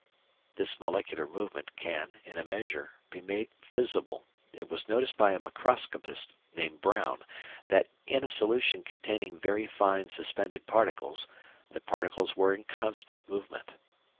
This molecular movement can, in a measure, be made visible. It was noticed by a microscopist named Brown that, in a solution containing very fine suspended particles, the particles were in constant movement.